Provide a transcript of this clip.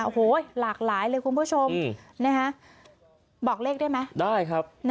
โอ้โหหลากหลายเลยคุณผู้ชมบอกเลขได้ไหมได้ครับ